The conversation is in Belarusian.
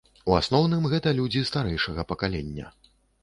У асноўным гэта людзі старэйшага пакалення.